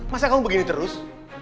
masa kamu begini terus